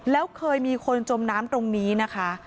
แล้วเคยมีคนจมน้ำตรงนี้นะคะ